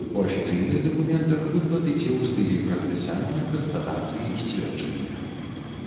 У афіцыйных дакументах выклад ідзе ў стылі прадпісання, канстатацыі, сцверджання.